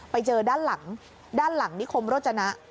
ไปเจอด้านหลังด้านหลังนิคมโรจนะ